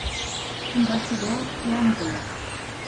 Ambassador to Angola.